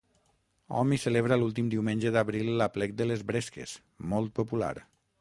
Hom hi celebra l'últim diumenge d'abril l'aplec de les Bresques, molt popular.